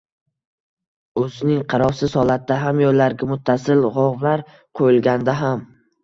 O‘zining qarovsiz holatida ham, yo‘llarga muttasil g‘ovlar qo‘yilganda ham